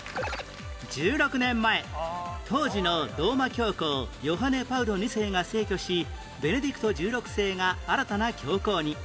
１６年前当時のローマ教皇ヨハネ・パウロ２世が逝去しベネディクト１６世が新たな教皇に